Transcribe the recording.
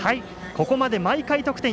ここまで毎回得点。